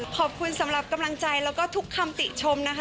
ขอบคุณสำหรับกำลังใจแล้วก็ทุกคำติชมนะคะ